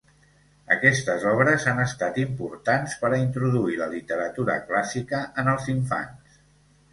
Aquestes obres han estat importants per a introduir la literatura clàssica en els infants.